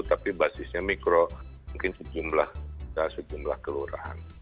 tapi basisnya mikro mungkin sejumlah kelurahan